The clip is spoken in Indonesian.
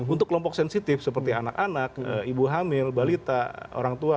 untuk kelompok sensitif seperti anak anak ibu hamil balita orang tua